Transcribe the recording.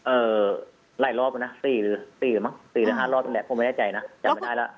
เอ่อไร้รอบอ่ะนะสี่หรือสี่หรือห้ารอบนี่แหละผมไม่แน่ใจนะจำไม่ได้ล่ะ